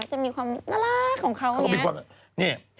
เห็นมั้ยเขาถ่ายก็จะมีความน่ารักของเขา